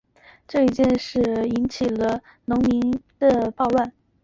这一事件导致塔鲁克加入起义农民和重新激起暴乱。